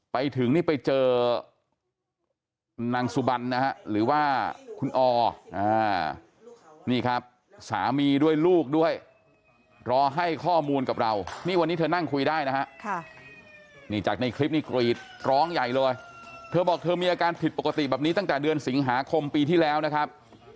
ไปถึงนี่ไปเจอนางสุบันนะฮะหรือว่าคุณอนี่ครับสามีด้วยลูกด้วยรอให้ข้อมูลกับเรานี่วันนี้เธอนั่งคุยได้นะฮะนี่จากในคลิปนี้กรีดร้องใหญ่เลยเธอบอกเธอมีอาการผิดปกติแบบนี้ตั้งแต่เดือนสิงหาคมปีที่แล้วนะครับ